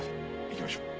行きましょう。